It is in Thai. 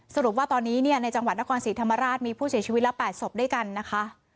สรุปว่าตอนนี้เนี่ยในจังหวัดนครศรีธรรมราชมีผู้เสียชีวิตละ๘ศพด้วยกันนะคะ